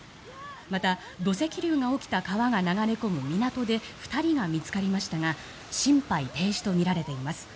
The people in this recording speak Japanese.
また、土石流が起きた川が流れ込む港で２人が見つかりましたが心肺停止とみられています。